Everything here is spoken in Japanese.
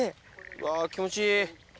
わぁ気持ちいい。